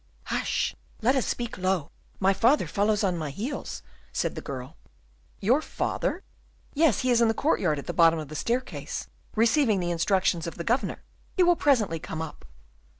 "Hush! let us speak low: my father follows on my heels," said the girl. "Your father?" "Yes, he is in the courtyard at the bottom of the staircase, receiving the instructions of the Governor; he will presently come up."